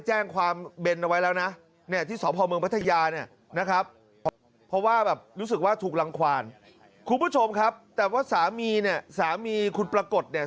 เขาเป็นฝีมือก็ถ่ายรูปเขาก็จะบอกผมหมดแล้ว